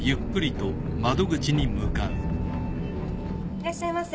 いらっしゃいませ。